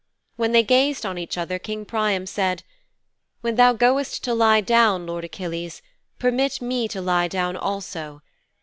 'When they gazed on each other King Priam said, "When thou goest to lie down, lord Achilles, permit me to lie down also.